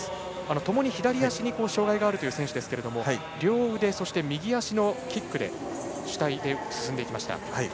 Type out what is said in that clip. ともに左足に障がいがある選手ですが両腕、そして右足のキック主体で進んでいきました。